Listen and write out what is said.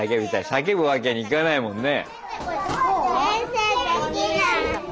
叫ぶわけにいかないもんね。